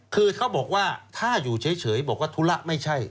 คือเขาบอกว่าถ้าอยู่เฉยบอกว่าธุระไม่ใช่